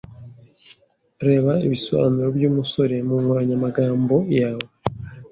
Reba ibisobanuro by 'umusore' mu nkoranyamagambo yawe.